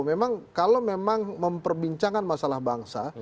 memang kalau memang memperbincangkan masalah bangsa